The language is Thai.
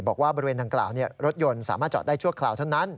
บอกว่าบริเวณดังกล่าวรถยนต์สามารถจอดได้ชั่วคราวเท่านั้น